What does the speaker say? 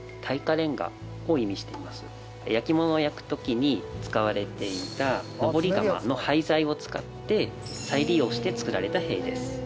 焼き物を焼く時に使われていた登り窯の廃材を使って再利用してつくられた塀です